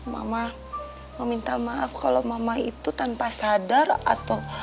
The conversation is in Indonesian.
mama meminta maaf kalau mama itu tanpa sadar atau